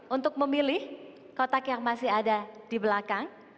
untuk memilih kotak yang masih ada di belakang